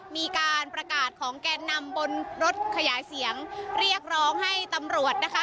มีการประกาศของแกนนำบนรถขยายเสียงเรียกร้องให้ตำรวจนะคะ